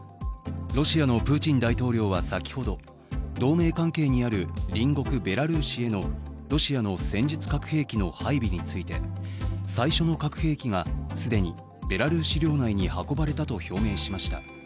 ロシアのプーチン大統領は先ほど同盟関係にある隣国ベラルーシへのロシアの戦術核兵器の配備について最初の核兵器が既にベラルーシ領内に運ばれたと表明しました。